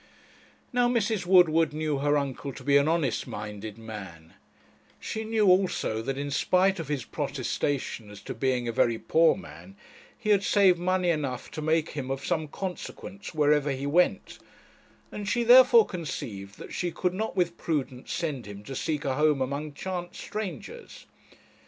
Now Mrs. Woodward knew her uncle to be an honest minded man; she knew also, that, in spite of his protestation as to being a very poor man, he had saved money enough to make him of some consequence wherever he went; and she therefore conceived that she could not with prudence send him to seek a home among chance strangers.